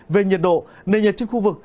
về nhiệt độ nền nhiệt trên khu vực